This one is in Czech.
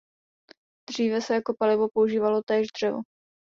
Dříve se jako palivo používalo též dřevo.